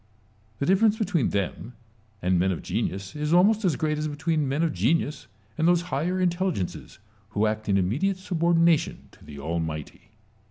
The difference between them and men of genius is almost as great as between men of genius and those higher intelligences who act in immediate subordina tion to the Almighty.